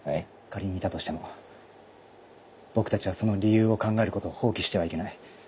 仮にいたとしても僕たちはその理由を考えることを放棄してはいけない。